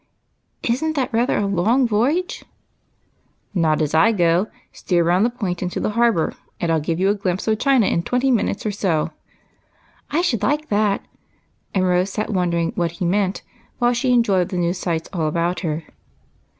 " Is n't that rather a long voyage ?"" Not as I go. Steer round the Point into the har bor, and I '11 give you a glimpse of China in twenty minutes or so." " I should like that !" and Rose Sat wondering what he meant, while she enjoyed the new sights all about her.